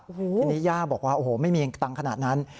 ทีนี้ย่าบอกว่าโอ้โหไม่มีตังค์ขนาดนั้น